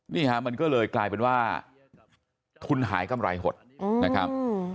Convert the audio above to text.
นี่ฮะมันก็เลยกลายเป็นว่าทุนหายกำไรหดนะครับ